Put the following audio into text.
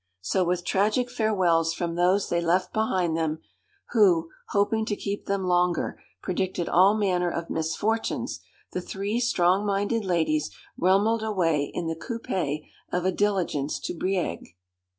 So with tragic farewells from those they left behind them, who, hoping to keep them longer, predicted all manner of misfortunes, the three strong minded ladies rumbled away in the coupé of a diligence to Brieg.